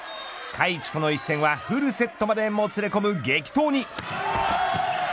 開智との一戦はフルセットまでもつれ込む激闘に。